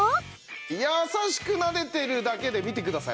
優しくなでてるだけで見てください。